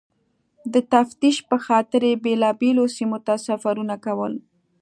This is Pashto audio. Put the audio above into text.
د تفتیش پخاطر یې بېلابېلو سیمو ته سفرونه کول.